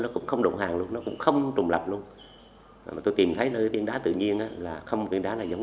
nó cũng không đụng hàng nó cũng không trùng lập luôn tôi tìm thấy nơi biển đá tự nhiên là không biển đá là giống